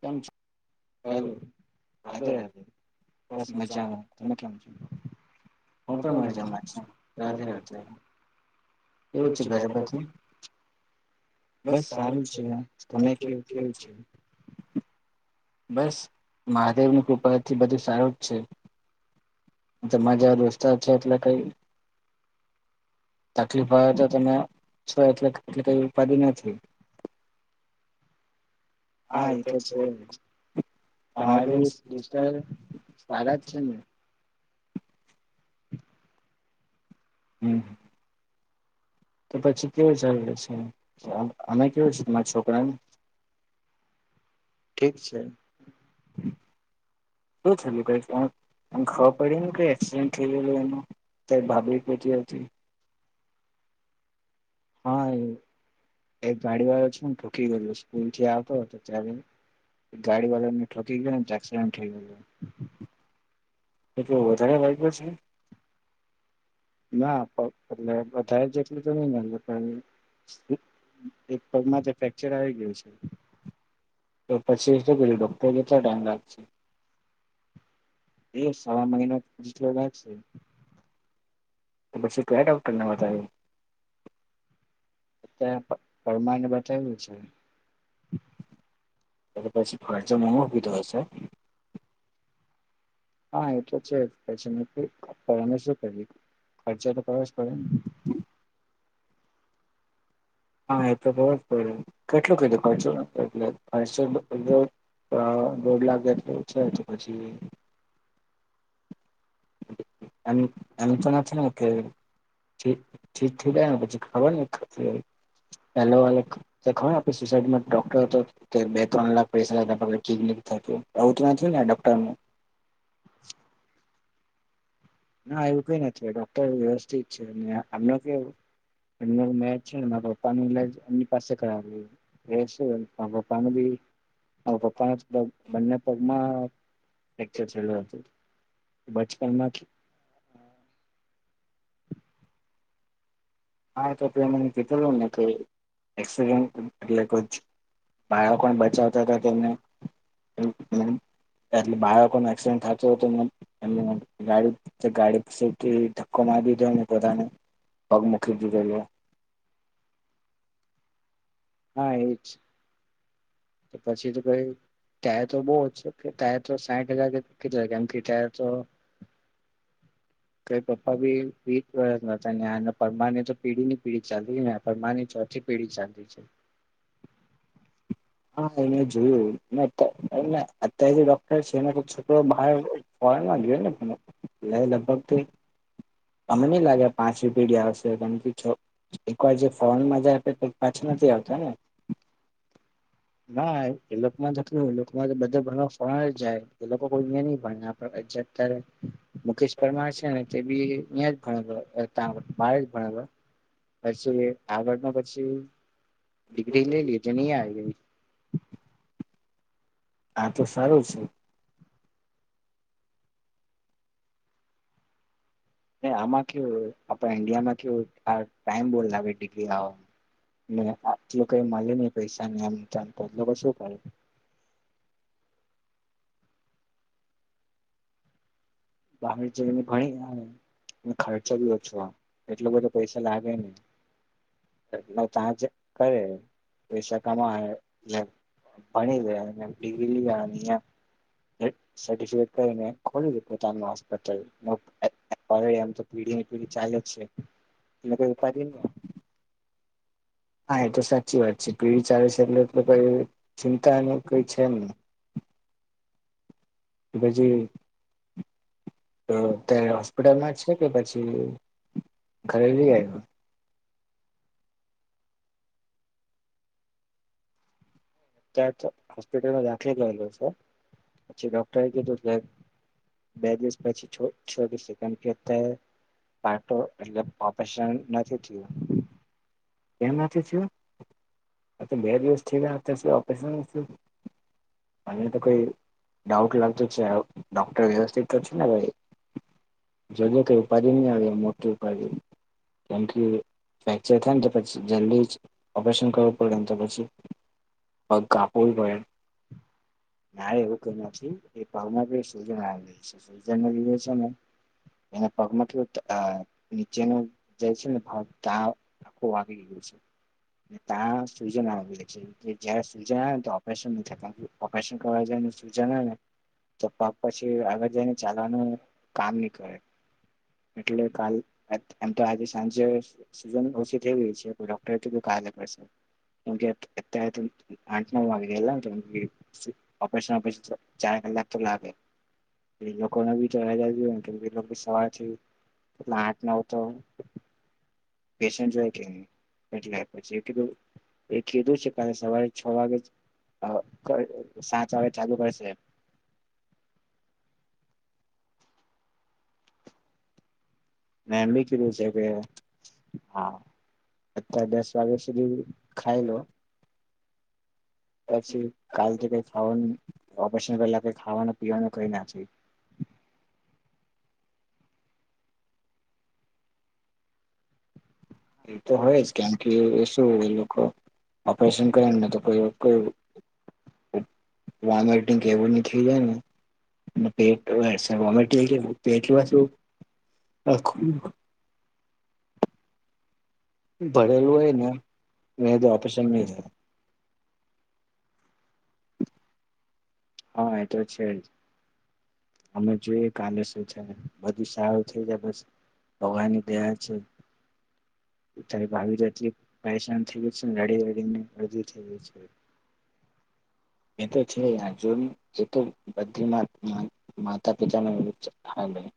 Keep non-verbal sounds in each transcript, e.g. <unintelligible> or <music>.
કેમ છો હાલો બસ મજામાં, તમે કેમ‌ છો હુ પણ મજામાં છું એવું છે બરાબર પછી બસ સારું છે તમે કેવું કેવું છે બસ મહાદેવની કૃપાથી બધું સારું જ છે તમારા જેવા દોસ્તાર છે એટલે કઈ તકલીફ આવે તો તમે છો એટલે કેટલી કઈ ઉપાધી નથી હા એતો છે તમારુ તોસ્ટ સારા જ છે ને હમ તો પછી કેવું ચાલી રહ્યું છે અમે કેવું છે તમારા છોકરાને ઠીક છે. શું થયું કે ખબર પડી ને કઈ એક્સિડન્ટ થઈ ગયલ એનું તે ભાભી પુચી હતી હા એ એ ગાડી વાળો છુ ઠોકી ગયો સ્કૂલ થી આવતો હતો ત્યારે ગાડી વાળાને ઠોકી ગયો ને તો એક્સિડેન્ટ થઈ ગયુ એટલે વધારે વાઇગુ છે. ના પ એટલે બધા જેટલું તો નઈ એક પગમાં જે ફ્રેક્ચર આવી ગયું છે તો પછી શું ડોક્ટર કેટલા ટાઈમ લાગશે એ સવા મહિના જેટલો લાગશે તો પછી કયા ડોક્ટરને બતાવ્યું. અત્યારે પરમાર ને બતાવ્યું છે. ત ત પછી ખર્ચ મોધો કીધો હશે. હા એ તો છે પછી શું કરયે ખર્ચા તો કરવો. ક હા એ તો બ જ પડે કેટલું કીધું ખર્ચો એટલે ખર્ચો. દોઢ લાખ જેટલો છે તો પછી એમ એમ તો નથી છે ઓ ઠી ઠીક થય જાય ને પછી ખબર હો. પેલો ખ આપે સોસાયટીમાં ડોક્ટર હતો તે બે ત્રણ લાખ પૈસા લીક થ આવું તો નથી ને ડોક્ટર નું ના એવું કઈ નથી ડોક્ટર વ્યવસ્થિત છે આમને કેવું એમને મે છે મારા પપ્પાનું ઇલાજ એમની પાસે કરાવ્યું છે મા પપ્પાનું બી હ પપ્પા ના બંને પગમાં ફેક્ચર થયલું હતું બચપનમાંથી હા તો તુયે મને કીધલ ને કે એક્સિડેન્ટ એટલે કો બાળકોને બચાવતા હતા તેમને એટલે બાળકોને એક્સિડન્ટ થાતું હતું એ ગાડી ગાડી ધક્કો મારી દીધો પોલાને પગ ખીગી ગયો હા એજ પછી તો કઈ ત્યારે તો બહુ ત્યારે તો સાઠ હજાર કે કેટલા કેમ કે ત્યારે તો કઈ પપ્પા ભી પ્રિત પરમાની તો પીઢી ની પીઢી ચાલતી ને પરમાની પેઢી શાંતી છે. હા એને જોયું અત્યારેથી છેને છોકરો બહાર ફોરેનમાં ગયો ને લગભગ થી તમે નઈ લાગે પાંચવી પેઢી આવશે કારણ કે એકવાર જે ફોનમાં જ આપે તો પાછ નથી આવતા ને ના એ લોકો માં જ એ લોકોમાં બધા ભણવા ફોરેન માં જાય એ લોકો કોઈ અયા ની ભણે. અત્યારે મુકેશ પરમાર છે ને તે બી અહીં જ <unintelligible> પછી આગળ પછી ડિગ્રી લે લ નહી આવી ગઈ. આા તો સારું છે. આમાં કે આપણા ઈન્ડિયામાં કે ટાઈમ બોવ લાગે ડિગ્રી લાવવા <unintelligible> <unintelligible> અને ખર્ચો બી ઓછો એટલો બધો પૈસા લાગે ને <unintelligible> પૈસા કમાય જેમ ભણીલે અને ડીગ્રી <unintelligible> <unintelligible> <unintelligible> એ પરી ન હા એ તો સાચી વાત છે પીઢી ચાલે છે એટલે એ કઈ ચિંતા અને કઈ છે નહી. કે પછી અ એ આયા હોસ્પિટલમાં છે કે પછી ઘરે લીઆયવા તઅત હોસ્પિટલમાં દાખેલ કરેલ છે પછી ડોક્ટર કીધું કે બે દિવસ પછી છ ચોવીસ સેકંડ કેતા પાટો એટલે ઓપેશન નથી થીયું. એમ નથી થિયુ બે દિવસ થિયા ઓપરેશન ઓપરેશન અને તો કોઈ ડાઉટ લાગતો છે હ ડોક્ટર વયસ્થિત કરશેને ભઈ. જોઈએ તો ઉપાડી નો હોય કાઈ કેમ કે ફેક્ચર થઈને પછી જલ્દી ઓપરેશન કરવું પડેને તો પછી. પગ કાપોય પડે. ના એવું કઈ નથી એ ભાવના જે સર્જન આવે છે સર્જન લીધે છે ને એના પગ મૂકે નીચેનું જે છે ને ભાગ ત્યાં આખું વાગી ગ્યું. ત્યાં સુજન આવે છે કે જયા સુજન આવે ત્યાં ઓપરેશન નથી થતા ઓપરેશન કરવા જાય ને સુજન આવે ને તો પગ પછી આગળ જઈને ચાલવાનું કામ નહી કરે. એટલે કાલ એમ તો આજે સાંજે સિઝન ઓછી થઈ ગઈ છે તો ડોક્ટરે કીધું કે <unintelligible> ઓપરેશન ઓપરેશન ચાર કલાક તો લાગે એ લોકોને બી તો <unintelligible> કેટલા આઠ નવ તો પેશન્ટ જોય કે એટલે પછી કીધું એ કીધું છે કાલે સવારે છ વાગે જ સાત વાગે ચાલુ કરશે. મે એમ બી કીધું છે કે હા અત્યારે દસ વાગ્યા સુધી ખાઈ લો. પછી કાલથી કોઈ ખાવાનું ઓપરેશન પેલા કઈ ખાવાનું પીવાનું કઈ ના એ તો હોય જ કેમ કે એ શું એ લોકો ઓપરેશન <unintelligible> <unintelligible> આખોદી ભરેલું હોય ને એના લીધે ઓપરેશન નહી થાય. હા એ તો છે જ. અમે જોઈએ કાલે શું છે. બધું સારું થઈ જાય બસ ભગવાનની દયા છે. તારી ભાભી તો એટલી પરેશાન થઈ ગય છે ને ગાડી વગર ની અડધી થઈ ગય છે. એ તો છે આજ જે તો બધી માતા પિતાને <unintelligible>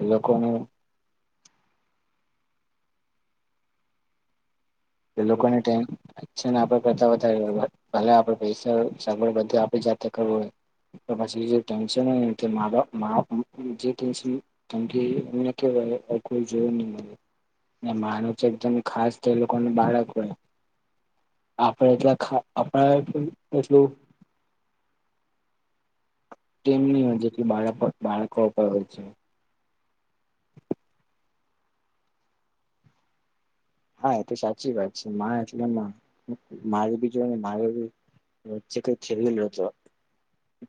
એ લોકો હું. એ લોકોને ટાઈમ છે ને આપ કરતા વધારે ભ આપે પૈસા સગવડ બધ આપી <unintelligible> જે ત કેવાય કોઈ જોર નહી મળે એ માનું છે એકદમ ખાસ તેલૂ કોને બાળક હોય આપણેટલા ખા આપ એટલું તેમની જેટલી બાળકો બાળકો પર હોય છે. હા એ તો સાચી વાત છે મા એટલે મારે બી જો ને મારે બી વચ્ચે કઈ થેલેલુ અતો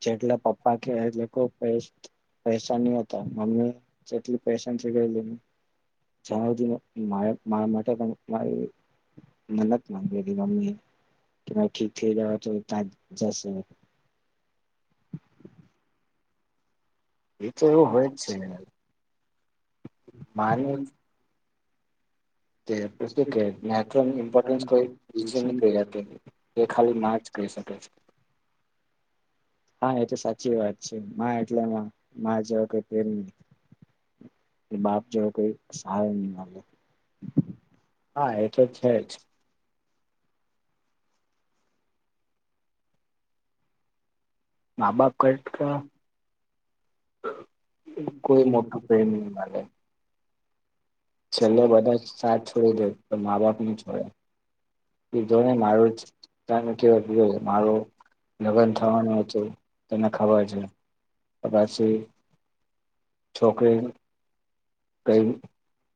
જેટલા પપ્પા કે એટલે પસ્ટ પસા ની હતા મમ્મી જેટલી પેશાન ગયેલી જ મારે મારા માટે પણ મારી મનત માગેલી મમીએ કે ઠીક થઇ જવા તો ત્યાં જશે એ તો એવું હોય જ છે મારે કે સુ કે ઇમ્પોર્ટ ખ <unintelligible> એ ખાલી માચ શ છે. હા એ તો સાચી વાત છે એટલેમાં જવ કે પેર એ બાપ જેવો કોઈ સારો નહી મળલે હા એ તો છે જ ના બા કટ ક કોઈ મોટો પ્રેમ ન મળલે છેલ્લે બધા સાથ છોડી દે તો મા બાપની છોડે. કીધો ને મારુચ <unintelligible> કેવો છે મારો લગ્ન થવાનું હતુ તને ખબર છે ત પાછી છોકરીનુ કઈ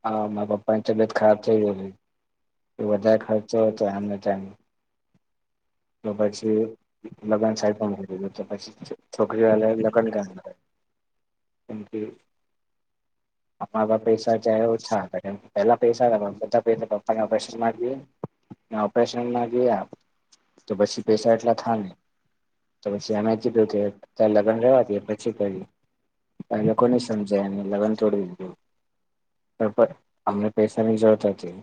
હા મારા પપાની તબિયત ખરાબ થ ગલી એ વધારે ખર્ચો હતો આમને તમ તો પછી લગ્ન સાઈડ પણ મૂલી તો પછી છોકરી વાળ લગ્ન કં કર <unintelligible> આપપ પૈસા છે ઓછા હતા કે પેલા પૈસા બધા પ પપ્પાને ઓપરેશન મા ગએ ઓપરેશનમાં ગયા તો પછી પૈસા એટલા થા ને તો પછી અમે કીધું કે લગ્ન રવા દ પછી કરી આ લોકો નહી સમજાય <unintelligible> એ લગ્ન થોડું જો અમને પૈસાની જરૂરત હતી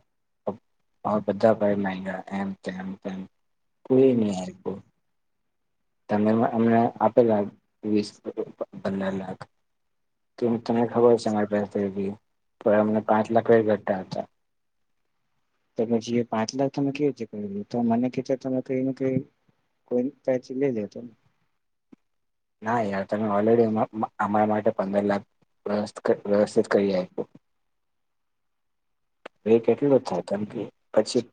બધા ભાઈ મગા એમ તેમ કોઈ ન આયપો તમે અમને આપેલા વીસ પંદર લાખ કેમ તને ખબર હ છે માર <unintelligible> પણ અમને પાંચ લાખ વ ઘતા હતા તો પછી પાંચ લાખ તમે કેવી ર કર તો મને ક છે તમે કઈને કઈ કોઈ પહેતી લેલેતો ના યાર તમે ઓલરેડી અમારા માટે પંદર લાખ વ્યવસ્ વ્યવસ્થિત કરીય એ કેટલું થાય ધમકી પછી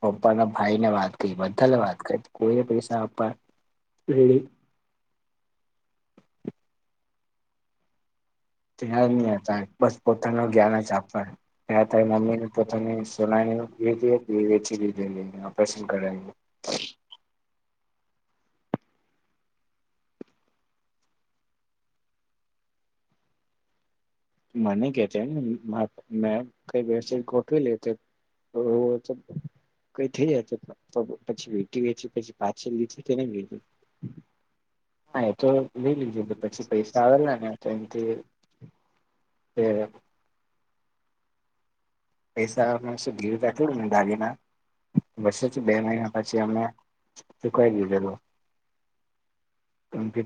પપ્પાના ભાઈ ને વાત કરી બધા વાત કરી કોઈને પૈસા આપવા એ ત્યાં જ નહી હતા બસ પોતાનું જ્ઞાન જ આપવાનું ત્યાં હતા મમ્મી ને પોતાની સોનાની વેચે વેચી લીધેલી ઓપરેશન કરાવુ મને કે છેને મે કઈ વેર શેર ગોઠવી લે. ઓ <unintelligible> કઈ થઈ જાત તો પછી વીટી વેચી પછી પાછી લીધું તેને લીધું. હા, એ તો લઈ લીઘી પછી પૈસા આવેલા ને તો એમથી <unintelligible> પૈસા માસ ઘીરું દાખવ મને દાગીના વસોછી બે મહિના પછી અમે ચુકાઈ લીધેલ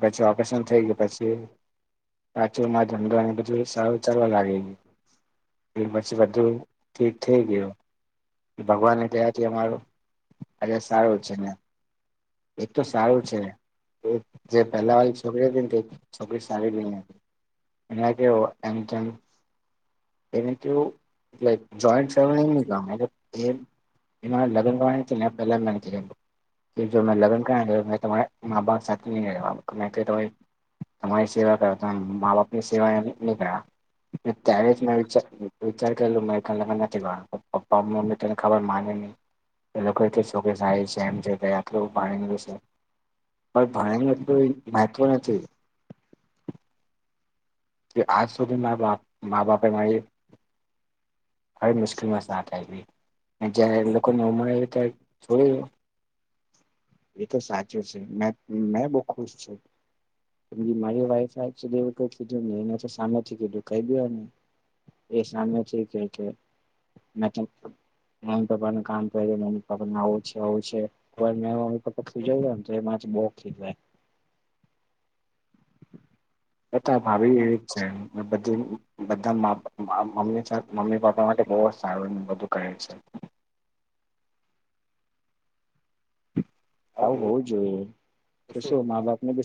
પછી ઓપરેશન થઈ ગયું પછી સાચું મા ધંધો બધું સારું ચાલવા લાગે છે એ પછી બધું ઠીક થઈ ગયો. ભગવાન એ કયાથી અમારું આ સારું છે ને એ તો સારું છે. જે પહેલા વાળી છોકરી હતી તે છોકરી સારી બી ની હતી. એને કેવું એમ તેમ એને કેવું લાઈક જોઈન્ટ ફેમિલી ની ગમે <inaudible> એના લગન <unintelligible> કે જો મેં લગ્ન કરયા મે તમારા મા બાપ સાથે તમારી સેવા કર મા બાપ ની સેવા એ ન કર્યા. ત્યારે જ મે વિચાર વિચાર <unintelligible> નથી વા પ્પા મમ્મી તને ખબર માની નહી એ લોકો એ કે છોકરી સારી છે <unintelligible> પાણીશે <unintelligible> <inaudible> કે આજ સુધી મા બાપ મા બાપ એ મારી હર મુશ્કેલમાં સાથ આઇપી જયારે લોકોને ઉમરે ત્યારે જો એતો સાચું છે મે મે બહુ ખુશ છું મારી લાઇફમાં <inaudible> સામેથી કે દુંખાઈ ગ ને એ સામેથી કે કે મે તમ એમી પપાનું કામ કર મમી પપ્પાને આવું છે આવું છે કોઈ પી જવું હો ને તો એમાંથી બો ખી જાય. એ તો આ ભાભી એવી જ છે બધ બધા મમ્મી સાથે મમ્મી પાપા બહુ સારું એ બધું કરે છે. આવું હોવુ જોઈએ તો શું મા બાપ ને બી